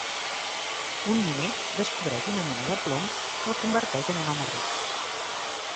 Un miner descobreix una mina de plom que el converteix en un home ric.